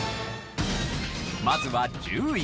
まずは１０位。